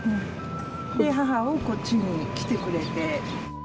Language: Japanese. で母がこっちに来てくれて。